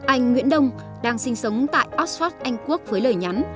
anh nguyễn đông đang sinh sống tại oxford anh quốc với lời nhắn